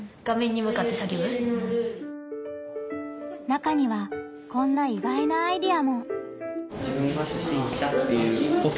中にはこんな意外なアイデアも。